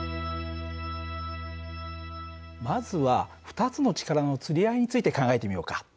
まずは２つの力のつり合いについて考えてみようか。